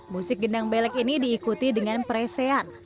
musik gendang belek ini diikuti dengan presean